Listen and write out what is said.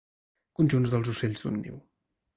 Conjunts dels ocells d'un niu.